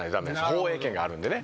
放映権があるんでね。